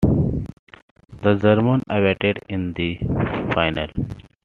The Germans awaited in the final.